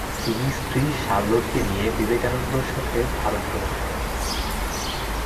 তিনি স্ত্রী শার্লোটকে নিয়ে বিবেকানন্দের সাথে ভারতে ভ্রমণ করেন।